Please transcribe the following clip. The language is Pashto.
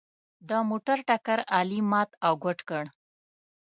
د موټر ټکر علي مات او ګوډ کړ.